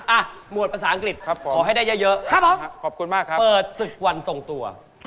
หมวดภาษาอังกฤษครับผมขอให้ได้เยอะครับผมขอบคุณมากครับเปิดศึกวันทรงตัว